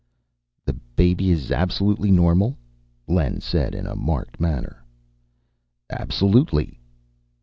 "The baby is absolutely normal?" Len said in a marked manner. "Absolutely."